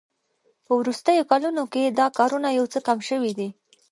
په وروستیو کلونو کې دا کارونه یو څه کم شوي دي